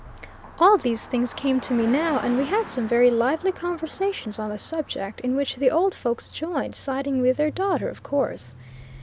All these things came to me now, and we had some very lively conversations on the subject, in which the old folks joined, siding with their daughter of course.